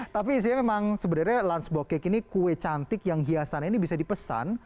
tapi izia memang sebenarnya lunchbo cake ini kue cantik yang hiasannya ini bisa dipesan